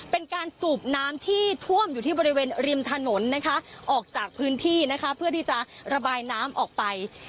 เป็นการสูบน้ำที่ท่วมอยู่ที่บริเวณริมถนนนะคะออกจากพื้นที่นะคะเพื่อที่จะระบายน้ำออกไป